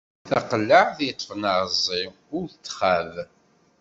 Taqellaɛt yeṭṭfen aɛeẓẓi, ur txab.